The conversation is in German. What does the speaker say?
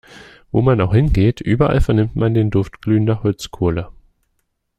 Wo man auch hingeht, überall vernimmt man den Duft glühender Holzkohle.